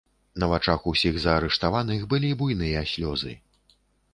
На вачах усіх заарыштаваных былі буйныя слёзы.